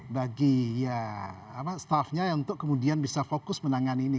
bagi staffnya untuk kemudian bisa fokus menangani ini